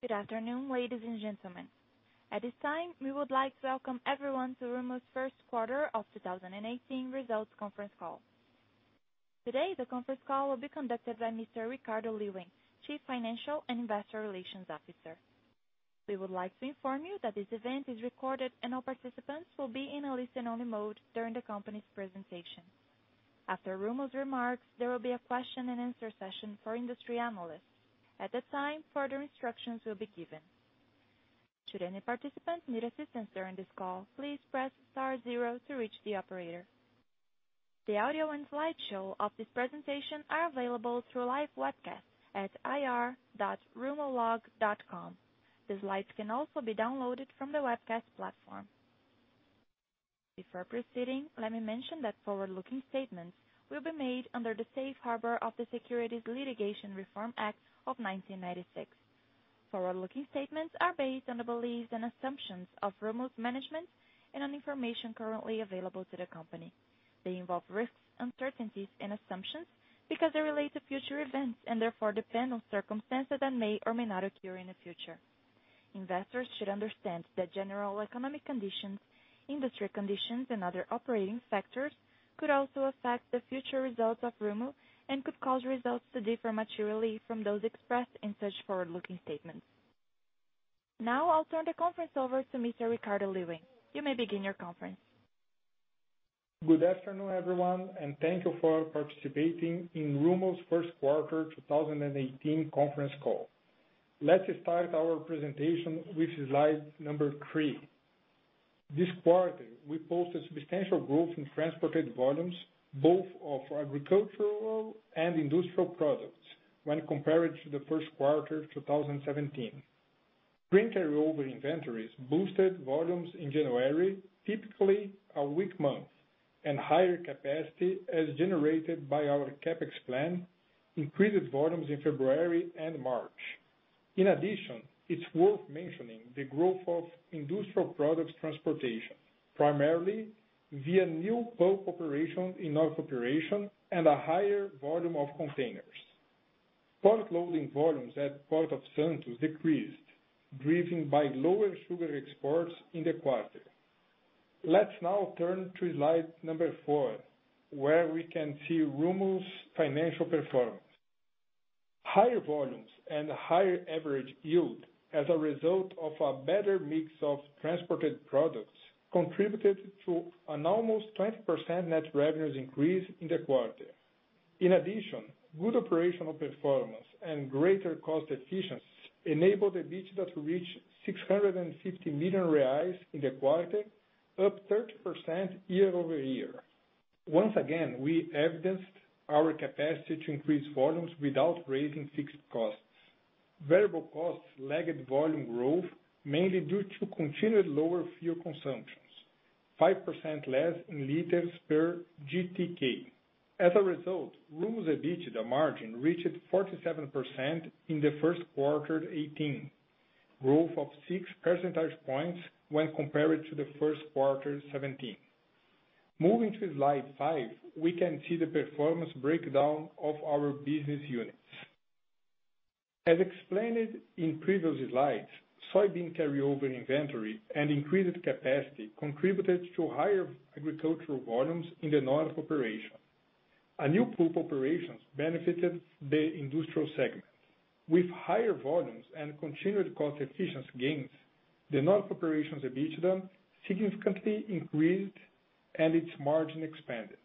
Good afternoon, ladies and gentlemen. At this time, we would like to welcome everyone to Rumo's first quarter of 2018 results conference call. Today, the conference call will be conducted by Mr. Ricardo Lewin, Chief Financial and Investor Relations Officer. We would like to inform you that this event is recorded, and all participants will be in a listen-only mode during the company's presentation. After Rumo's remarks, there will be a question and answer session for industry analysts. At that time, further instructions will be given. Should any participant need assistance during this call, please press star zero to reach the operator. The audio and slideshow of this presentation are available through live webcast at ir.rumolog.com. The slides can also be downloaded from the webcast platform. Before proceeding, let me mention that forward-looking statements will be made under the Safe Harbor of the Private Securities Litigation Reform Act of 1996. Forward-looking statements are based on the beliefs and assumptions of Rumo's management and on information currently available to the company. They involve risks, uncertainties, and assumptions because they relate to future events and therefore depend on circumstances that may or may not occur in the future. Investors should understand that general economic conditions, industry conditions, and other operating factors could also affect the future results of Rumo and could cause results to differ materially from those expressed in such forward-looking statements. I'll turn the conference over to Mr. Ricardo Lewin. You may begin your conference. Good afternoon, everyone. Thank you for participating in Rumo's first quarter 2018 conference call. Let's start our presentation with slide number three. This quarter, we posted substantial growth in transported volumes, both of agricultural and industrial products when compared to the first quarter 2017. Grain carryover inventories boosted volumes in January, typically a weak month. Higher capacity as generated by our CapEx plan, increased volumes in February and March. In addition, it's worth mentioning the growth of industrial products transportation, primarily via new pulp operations in North Operation and a higher volume of containers. Port loading volumes at Port of Santos decreased, driven by lower sugar exports in the quarter. Let's now turn to slide number four, where we can see Rumo's financial performance. Higher volumes and higher average yield as a result of a better mix of transported products contributed to an almost 20% net revenues increase in the quarter. In addition, good operational performance and greater cost efficiency enabled the EBITDA to reach 650 million reais in the quarter, up 30% year-over-year. Once again, we evidenced our capacity to increase volumes without raising fixed costs. Variable costs lagged volume growth mainly due to continued lower fuel consumptions, 5% less in liters per GTK. As a result, Rumo's EBITDA margin reached 47% in the first quarter 2018, growth of six percentage points when compared to the first quarter 2017. Moving to slide five, we can see the performance breakdown of our business units. As explained in previous slides, soybean carryover inventory and increased capacity contributed to higher agricultural volumes in the North Operation. A new pulp operation benefited the industrial segment. With higher volumes and continued cost efficiency gains, the North Operations EBITDA significantly increased and its margin expanded.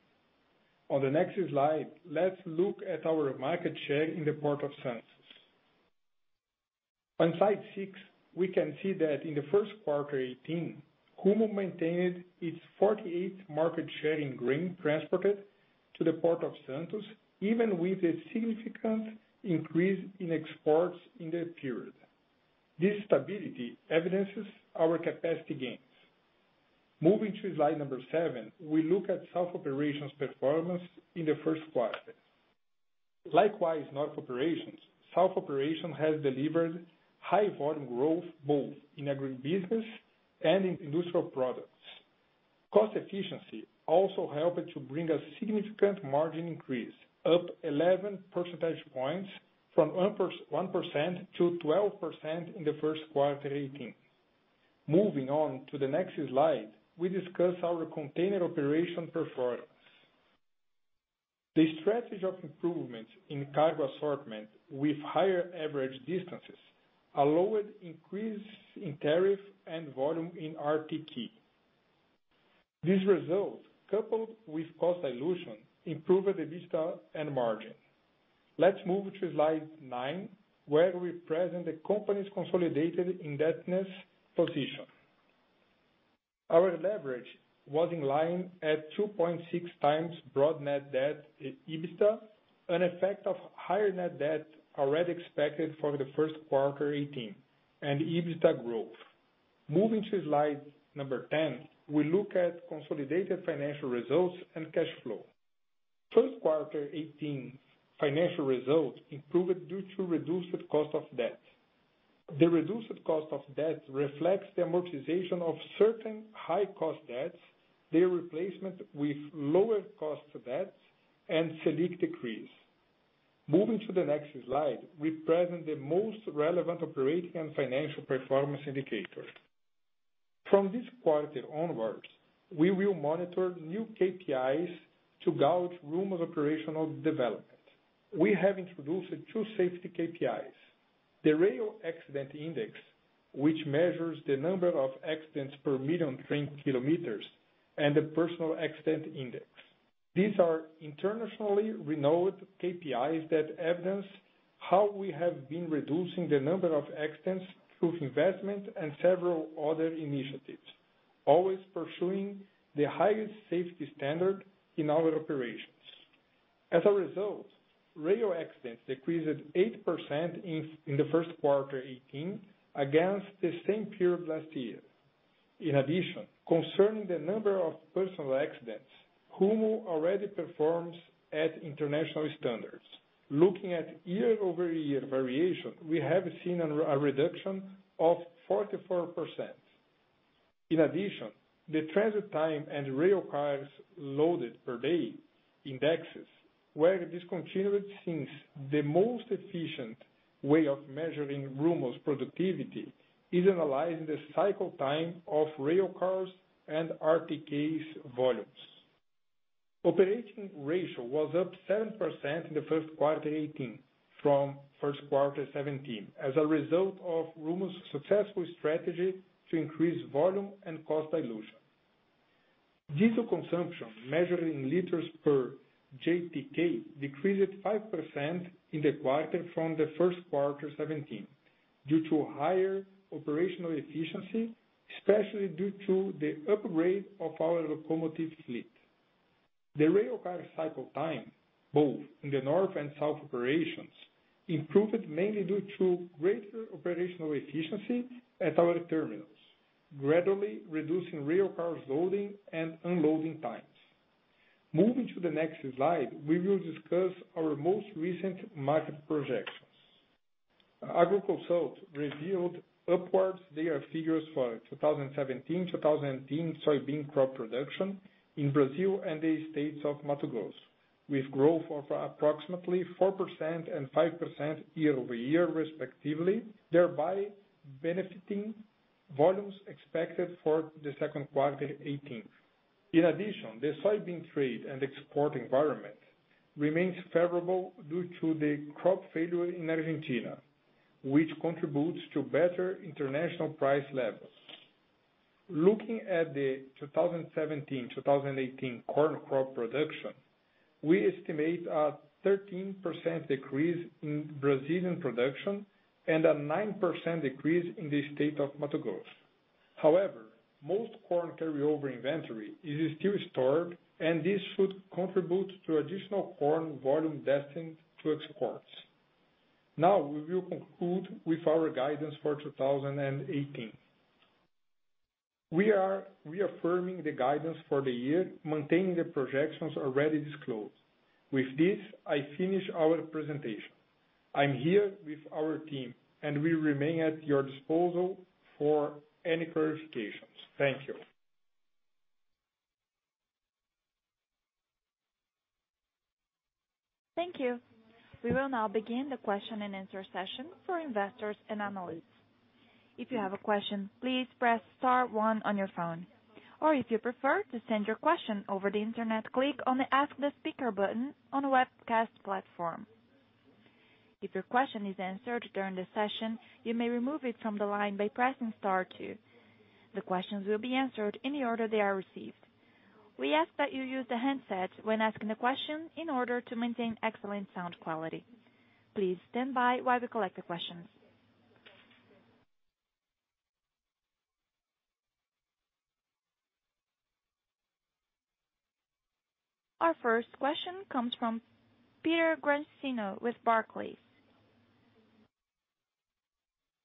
On the next slide, let's look at our market share in the Port of Santos. On slide six, we can see that in the first quarter 2018, Rumo maintained its 48% market share in grain transported to the Port of Santos, even with a significant increase in exports in the period. This stability evidences our capacity gains. Moving to slide number seven, we look at South Operations performance in the first quarter. Likewise, North Operations, South Operation has delivered high volume growth both in agribusiness and in industrial products. Cost efficiency also helped to bring a significant margin increase, up 11 percentage points from 1% to 12% in the first quarter 2018. Moving on to the next slide, we discuss our container operation performance. The strategy of improvements in cargo assortment with higher average distances allowed increase in tariff and volume in RTK. This result, coupled with cost dilution, improved EBITDA and margin. Let's move to slide nine, where we present the company's consolidated indebtedness position. Our leverage was in line at 2.6 times broad net debt EBITDA, an effect of higher net debt already expected for the first quarter 2018 and EBITDA growth. Moving to slide number 10, we look at consolidated financial results and cash flow. First quarter 2018 financial results improved due to reduced cost of debt. The reduced cost of debt reflects the amortization of certain high-cost debts, their replacement with lower cost debts. Selic decrease. Moving to the next slide, we present the most relevant operating and financial performance indicators. From this quarter onwards, we will monitor new KPIs to gauge Rumo's operational development. We have introduced two safety KPIs. The rail accident index, which measures the number of accidents per million train kilometers, and the personal accident index. These are internationally renowned KPIs that evidence how we have been reducing the number of accidents through investment and several other initiatives, always pursuing the highest safety standard in our operations. As a result, rail accidents decreased 8% in the first quarter 2018, against the same period last year. In addition, concerning the number of personal accidents, Rumo already performs at international standards. Looking at year-over-year variation, we have seen a reduction of 44%. In addition, the transit time and rail cars loaded per day indexes were discontinued, since the most efficient way of measuring Rumo's productivity is analyzing the cycle time of rail cars and RTK's volumes. Operating ratio was up 7% in the first quarter 2018, from first quarter 2017, as a result of Rumo's successful strategy to increase volume and cost dilution. Diesel consumption, measured in liters per GTK, decreased 5% in the quarter from the first quarter 2017, due to higher operational efficiency, especially due to the upgrade of our locomotive fleet. The rail car cycle time, both in the North Operations and South Operations, improved mainly due to greater operational efficiency at our terminals, gradually reducing rail cars loading and unloading times. Moving to the next slide, we will discuss our most recent market projections. Agroconsult revised upwards their figures for 2017-2018 soybean crop production in Brazil and the states of Mato Grosso, with growth of approximately 4% and 5% year-over-year respectively, thereby benefiting volumes expected for the second quarter 2018. In addition, the soybean trade and export environment remains favorable due to the crop failure in Argentina, which contributes to better international price levels. Looking at the 2017-2018 corn crop production, we estimate a 13% decrease in Brazilian production and a 9% decrease in the state of Mato Grosso. However, most corn carryover inventory is still stored, and this should contribute to additional corn volume destined to exports. Now, we will conclude with our guidance for 2018. We are reaffirming the guidance for the year, maintaining the projections already disclosed. With this, I finish our presentation. I'm here with our team, and we remain at your disposal for any clarifications. Thank you. Thank you. We will now begin the question and answer session for investors and analysts. If you have a question, please press star one on your phone. Or if you prefer to send your question over the Internet, click on the Ask the Speaker button on the webcast platform. If your question is answered during the session, you may remove it from the line by pressing star two. The questions will be answered in the order they are received. We ask that you use the handset when asking the question, in order to maintain excellent sound quality. Please stand by while we collect the questions. Our first question comes from Pedro Grushenko with Barclays.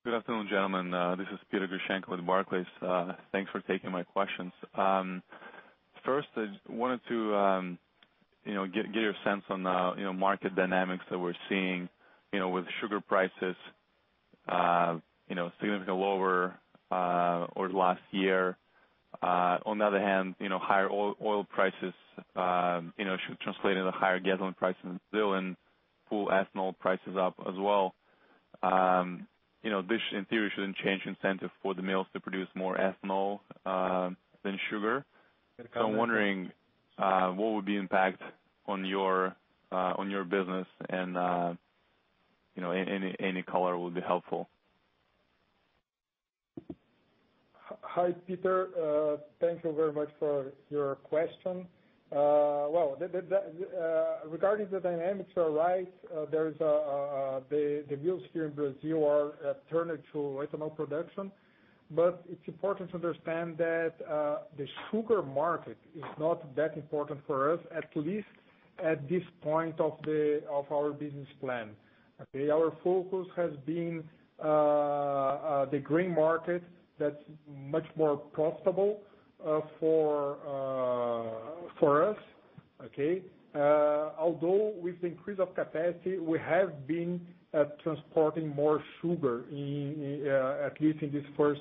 Good afternoon, gentlemen. This is Pedro Grushenko with Barclays. Thanks for taking my questions. First, I wanted to get your sense on the market dynamics that we're seeing, with sugar prices significantly lower over last year. On the other hand, higher oil prices should translate into higher gasoline prices still and pull ethanol prices up as well. This, in theory, shouldn't change incentive for the mills to produce more ethanol than sugar. I'm wondering what would be impact on your business and any color would be helpful. Hi, Pedro. Thank you very much for your question. Well, regarding the dynamics, you're right. The mills here in Brazil are turning to ethanol production. It's important to understand that the sugar market is not that important for us, at least at this point of our business plan. Okay? Our focus has been the grain market that's much more profitable for us. Okay? With the increase of capacity, we have been transporting more sugar, at least in this first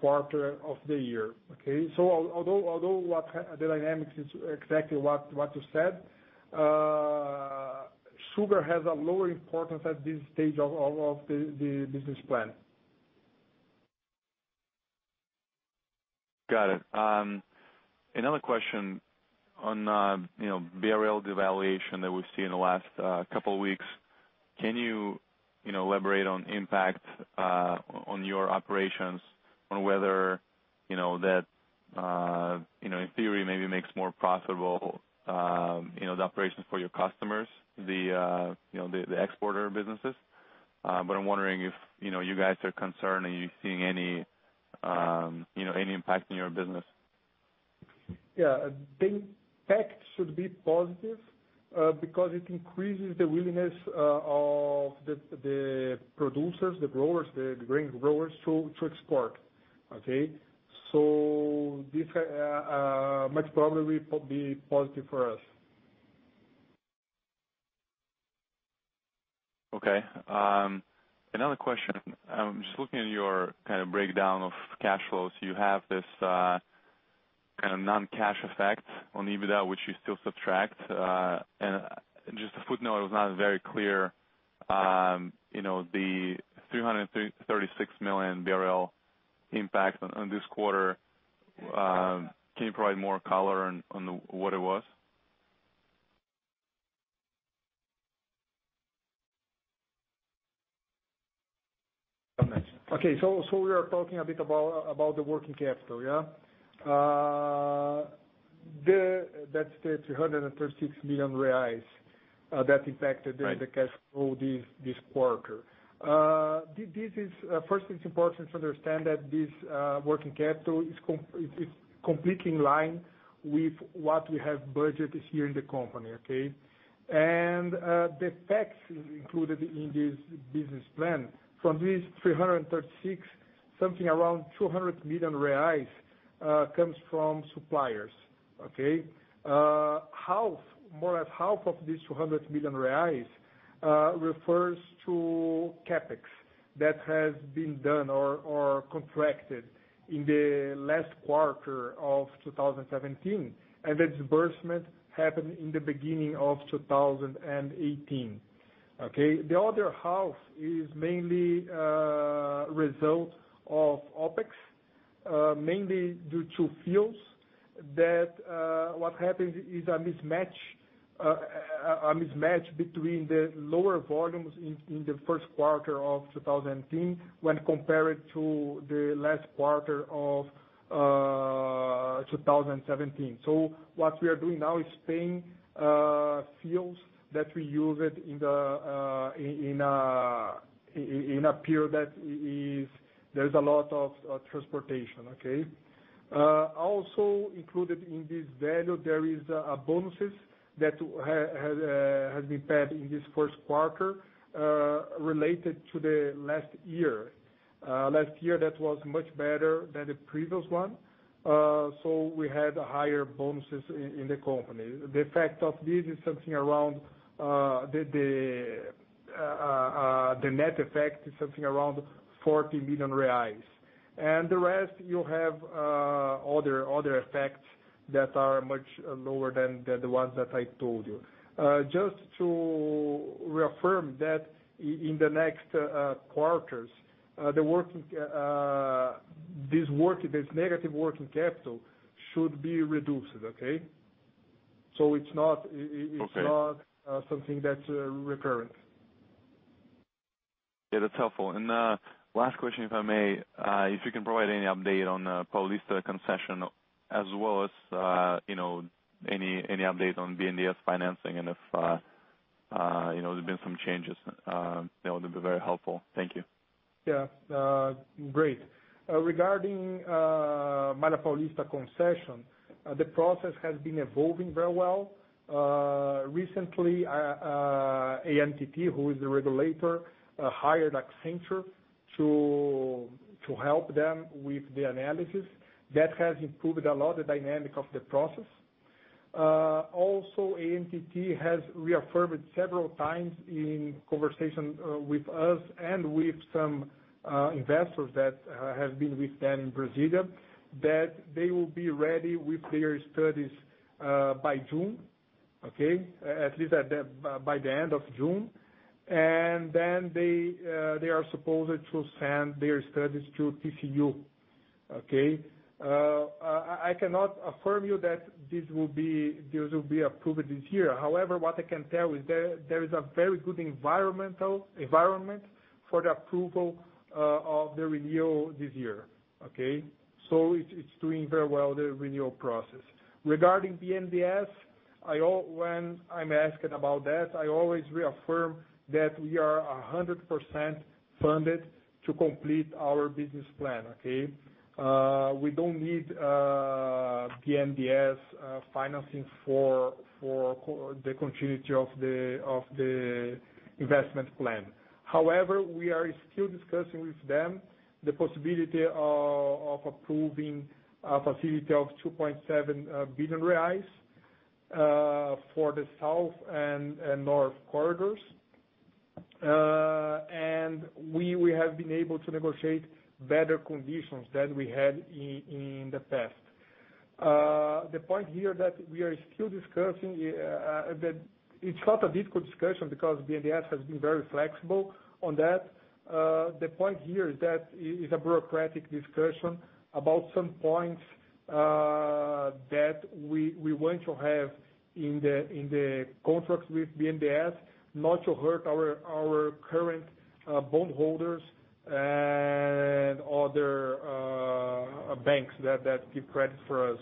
quarter of the year. Okay? Although the dynamics is exactly what you said. Sugar has a lower importance at this stage of the business plan. Got it. Another question on BRL devaluation that we've seen in the last couple of weeks. Can you elaborate on impact on your operations, on whether that, in theory, maybe makes more profitable the operations for your customers, the exporter businesses? I'm wondering if you guys are concerned, are you seeing any impact in your business? Yeah. The impact should be positive because it increases the willingness of the producers, the growers, the grain growers to export. Okay? This much, probably will be positive for us. Okay. Another question. Just looking at your kind of breakdown of cash flows, you have this kind of non-cash effect on EBITDA, which you still subtract. Just a footnote, it was not very clear, the 336 million BRL impact on this quarter, can you provide more color on what it was? Okay. We are talking a bit about the working capital, yeah? That's the 336 million reais that impacted- Right the cash flow this quarter. First, it's important to understand that this working capital is completely in line with what we have budgeted here in the company. Okay? The facts included in this business plan from this 336, something around 200 million reais, comes from suppliers. Okay? More than half of these 200 million reais refers to CapEx that has been done or contracted in the last quarter of 2017, and the disbursement happened in the beginning of 2018. Okay? The other half is mainly a result of OpEx, mainly due to fuels that, what happens is a mismatch between the lower volumes in the first quarter of 2018 when compared to the last quarter of 2017. What we are doing now is paying fuels that we used in a period that there's a lot of transportation. Okay? Also included in this value, there is bonuses that has been paid in this first quarter, related to the last year. Last year, that was much better than the previous one. We had higher bonuses in the company. The net effect is something around 40 million reais. The rest, you have other effects that are much lower than the ones that I told you. Just to reaffirm that in the next quarters, this negative working capital should be reduced. Okay? Okay It's not something that's recurring. That's helpful. Last question, if I may. If you can provide any update on the Paulista concession as well as any updates on BNDES financing and if there's been some changes, that would be very helpful. Thank you. Yeah. Great. Regarding Malha Paulista concession, the process has been evolving very well. Recently, ANTT, who is the regulator, hired Accenture to help them with the analysis. That has improved a lot, the dynamic of the process. ANTT has reaffirmed several times in conversation with us and with some investors that have been with them in Brasília, that they will be ready with their studies by June. At least by the end of June. They are supposed to send their studies to TCU. I cannot affirm you that this will be approved this year. However, what I can tell is there is a very good environment for the approval of the renewal this year. It's doing very well, the renewal process. Regarding BNDES, when I'm asked about that, I always reaffirm that we are 100% funded to complete our business plan. We don't need BNDES financing for the continuity of the investment plan. However, we are still discussing with them the possibility of approving a facility of 2.7 billion reais for the south and north corridors. We have been able to negotiate better conditions than we had in the past. The point here that we are still discussing, it's not a difficult discussion because BNDES has been very flexible on that. The point here is that it is a bureaucratic discussion about some points that we want to have in the contracts with BNDES, not to hurt our current bondholders and other banks that give credit for us.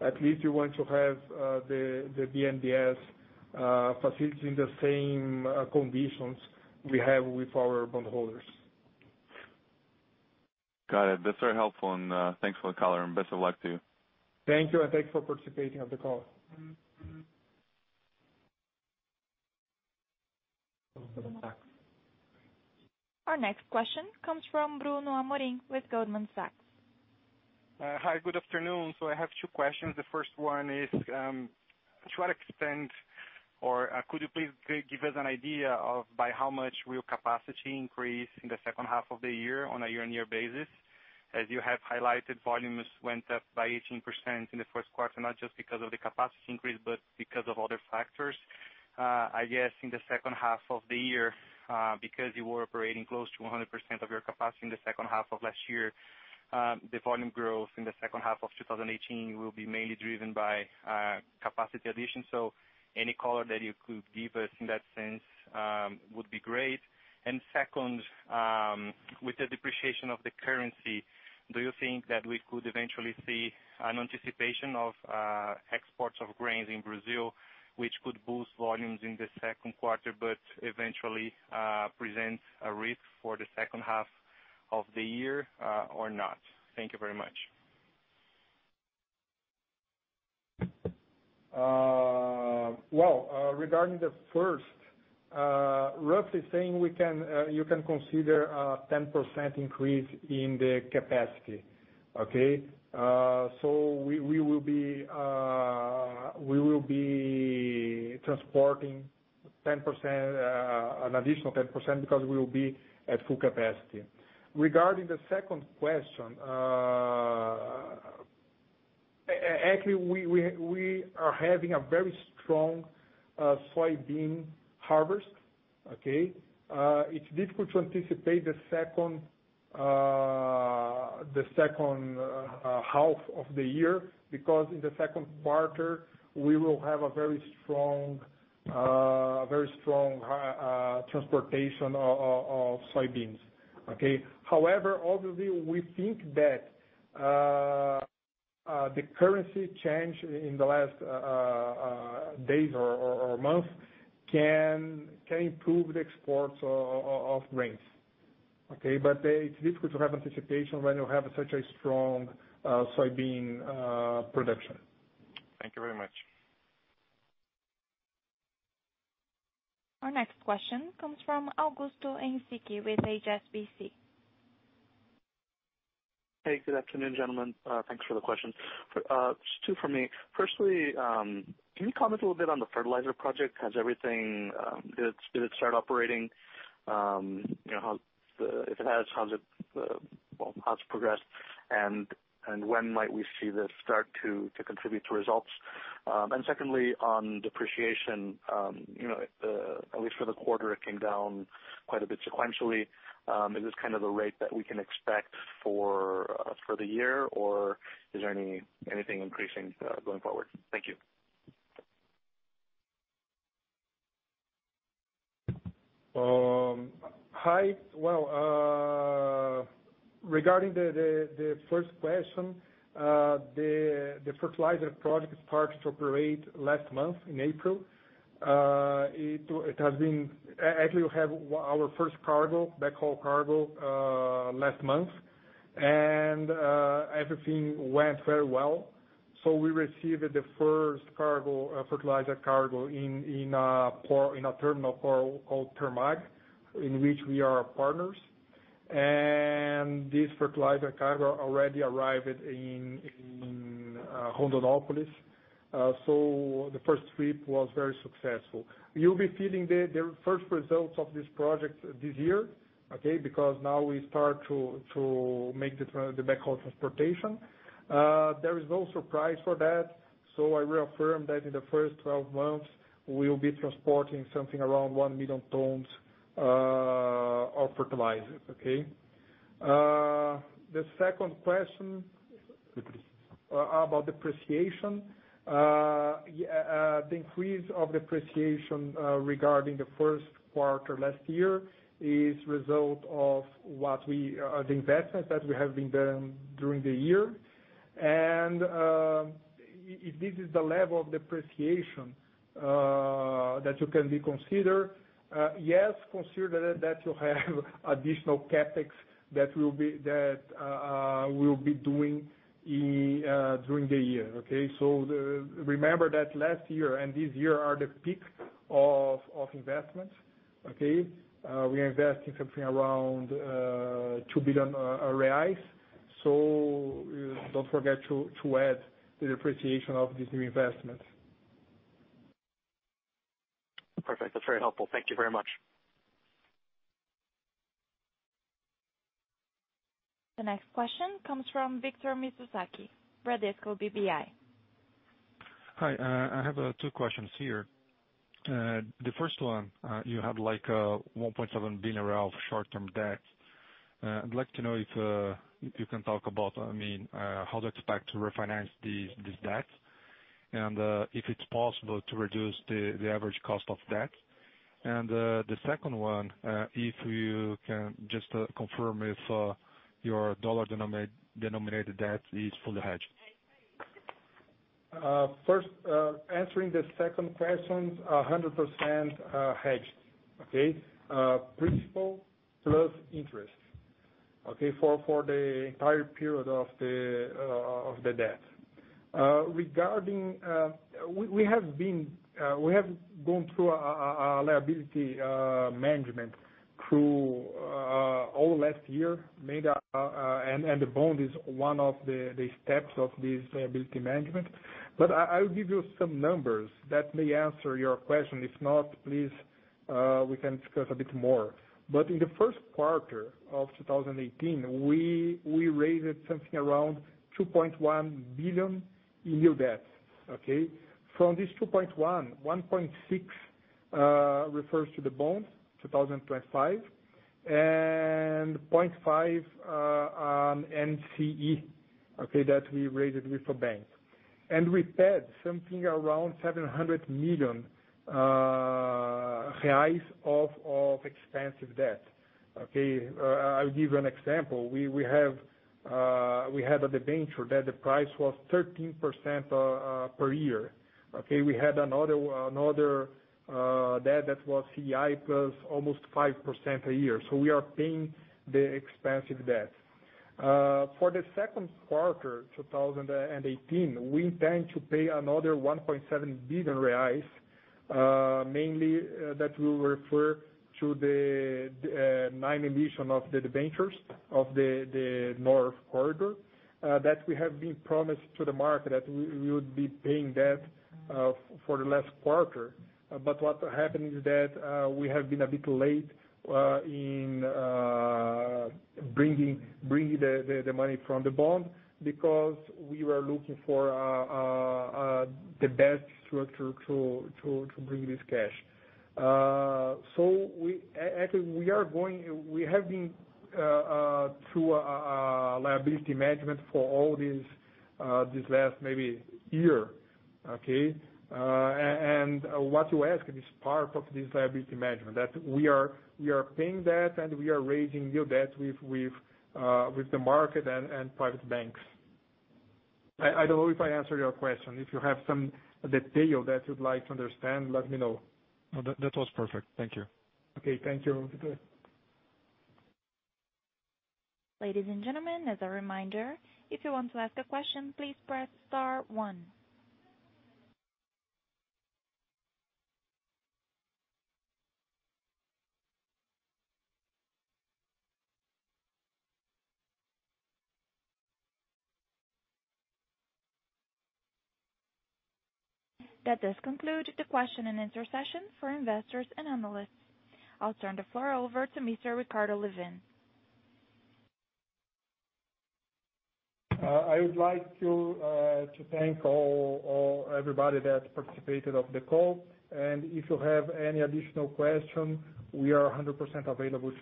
At least we want to have the BNDES facilitating the same conditions we have with our bondholders. Got it. That's very helpful and thanks for the color, and best of luck to you. Thank you. Thanks for participating on the call. Goldman Sachs. Our next question comes from Bruno Amorim with Goldman Sachs. Hi, good afternoon. I have two questions. The first one is, to what extent, or could you please give us an idea of by how much will capacity increase in the second half of the year on a year-on-year basis? As you have highlighted, volumes went up by 18% in the first quarter, not just because of the capacity increase, but because of other factors. I guess in the second half of the year, because you were operating close to 100% of your capacity in the second half of last year, the volume growth in the second half of 2018 will be mainly driven by capacity addition. Any color that you could give us in that sense would be great. Second, with the depreciation of the currency, do you think that we could eventually see an anticipation of exports of grains in Brazil, which could boost volumes in the second quarter, but eventually, present a risk for the second half of the year, or not? Thank you very much. Well, regarding the first, roughly saying, you can consider a 10% increase in the capacity. Okay? We will be transporting an additional 10% because we will be at full capacity. Regarding the second question, actually, we are having a very strong soybean harvest. Okay? It's difficult to anticipate the second half of the year because in the second quarter, we will have a very strong transportation of soybeans. Okay? However, obviously, we think that the currency change in the last days or months can improve the exports of grains. Okay? It's difficult to have anticipation when you have such a strong soybean production. Thank you very much. Our next question comes from Augusto Siki with HSBC. Hey, good afternoon, gentlemen. Thanks for the questions. Just two from me. Firstly, can you comment a little bit on the fertilizer project? Did it start operating? If it has, how has it progressed, and when might we see this start to contribute to results? Secondly, on depreciation, at least for the quarter, it came down quite a bit sequentially. Is this kind of the rate that we can expect for the year, or is there anything increasing, going forward? Thank you. Hi. Well, regarding the first question, the fertilizer project started to operate last month in April. Actually, we had our first cargo, the whole cargo, last month, and everything went very well. We received the first fertilizer cargo in a terminal called Termag, in which we are partners. This fertilizer cargo already arrived in Rondonópolis. The first trip was very successful. You'll be seeing the first results of this project this year. Okay? Because now we start to make the backhaul transportation. There is no surprise for that, so I reaffirm that in the first 12 months, we will be transporting something around one million tons of fertilizer. Okay? The second question about depreciation. The increase of depreciation, regarding the first quarter last year, is result of the investments that we have been doing during the year. If this is the level of depreciation that you can consider, yes, consider that you have additional CapEx that we'll be doing during the year. Okay? Remember that last year and this year are the peak of investments. Okay? We are investing something around two billion BRL. Don't forget to add the depreciation of this new investment. Perfect. That's very helpful. Thank you very much. The next question comes from Victor Mizusaki, Bradesco BBI. Hi, I have two questions here. The first one, you have like 1.7 billion short-term debt. I'd like to know if you can talk about how to expect to refinance this debt and if it's possible to reduce the average cost of debt. The second one, if you can just confirm if your USD-denominated debt is fully hedged. First, answering the second question, 100% hedged. Principal plus interest, okay? For the entire period of the debt. We have gone through a liability management through all last year, the bond is one of the steps of this liability management. I will give you some numbers that may answer your question. If not, please, we can discuss a bit more. In the first quarter of 2018, we raised something around 2.1 billion in new debt, okay? From this 2.1 billion, 1.6 billion refers to the bond 2025, 0.5 billion on NCE, okay? That we raised with a bank. We paid something around 700 million reais of expensive debt. Okay? I'll give you an example. We had a debenture that the price was 13% per year, okay? We had another debt that was CDI plus almost 5% a year. We are paying the expensive debt. For the second quarter 2018, we intend to pay another 1.7 billion reais, mainly that will refer to the ninth edition of the debentures of the North Corridor, that we have been promised to the market that we would be paying debt for the last quarter. What happened is that we have been a bit late in bringing the money from the bond because we were looking for the best structure to bring this cash. Actually, we have been through a liability management for all this last maybe year, okay? What you ask is part of this liability management, that we are paying debt and we are raising new debt with the market and private banks. I don't know if I answered your question. If you have some detail that you'd like to understand, let me know. No, that was perfect. Thank you. Okay. Thank you, Victor. Ladies and gentlemen, as a reminder, if you want to ask a question, please press star one. That does conclude the question and answer session for investors and analysts. I'll turn the floor over to Mr. Ricardo Lewin. I would like to thank everybody that participated of the call. If you have any additional question, we are 100% available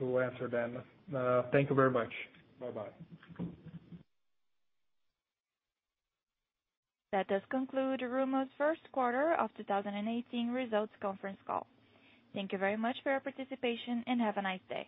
to answer them. Thank you very much. Bye-bye. That does conclude Rumo's first quarter of 2018 results conference call. Thank you very much for your participation, and have a nice day.